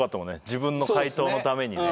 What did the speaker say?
自分の回答のためにね。